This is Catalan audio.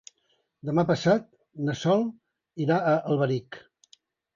Demà passat na Sol irà a Alberic.